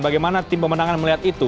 bagaimana tim pemenangan melihat itu